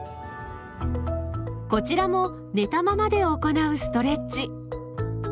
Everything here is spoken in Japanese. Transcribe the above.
こちらも寝たままで行うストレッチ。